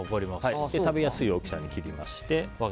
食べやすい大きさに切りまして。